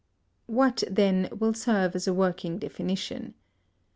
What, then, will serve as a working definition?